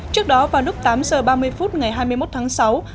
trước đó vào lúc tám giờ ba mươi phút ngày hai mươi một tháng sáu